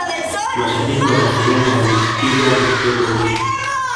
Mashabiki wa Barcelona walichukizwa na kitendo hicho